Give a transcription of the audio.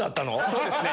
そうですね。